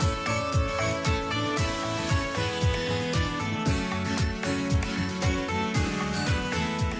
สวัสดีครับ